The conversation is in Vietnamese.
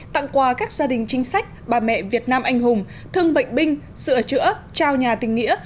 tặng quà các gia đình chính sách bà mẹ việt nam anh hùng thương bệnh binh sửa chữa trao nhà tình nghĩa